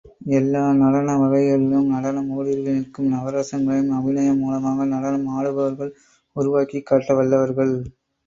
எல்லா நடன வகைகளிலும் நடனம் ஊடுருவி நிற்கும் நவரசங்களையும் அபிநயம் மூலமாகவே நடனம் ஆடுபவர்கள் உருவாக்கிக் காட்ட வல்லவர்கள்.